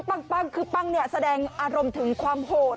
ปังปังแสดงอารมณ์ถึงความโหด